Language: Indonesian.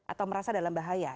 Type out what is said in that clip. atau merasa dalam bahaya